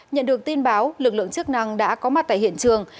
nhận được tin báo lực lượng chức năng đã có mặt tại hiện trường